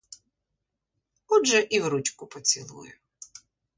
Отже і в ручку поцілую.